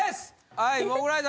はいモグライダ―